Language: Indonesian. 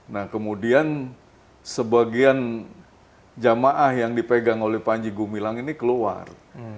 nah kemudian sebagian jamaah yang dipegang oleh panji gumilang ini keluar